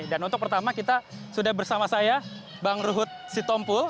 dan untuk pertama kita sudah bersama saya bang ruhut sitompul